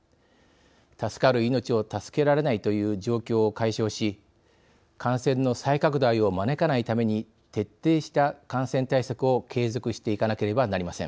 助かる命を助けられないという状況を解消し感染の再拡大を招かないために徹底した感染対策を継続していかなければなりません。